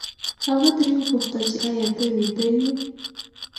هغه ترې وپوښتل چې ایا ته ویده یې؟